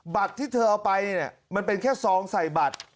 ที่เธอเอาไปเนี่ยมันเป็นแค่ซองใส่บัตร